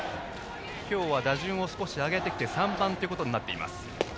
今日は打順を少し上げてきて３番となっています。